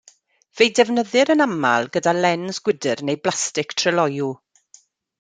Fe'i defnyddir yn aml gyda lens gwydr neu blastig tryloyw.